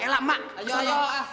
ella mak kesana